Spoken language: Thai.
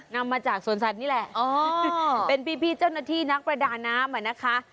นำมาจากสวนสัตว์นี่แหละเป็นพี่เจ้าหน้าที่นักประดาน้ำอ่ะนะคะ